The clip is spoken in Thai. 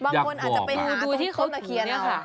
บางคนอาจจะไปหาต้นตะเคียน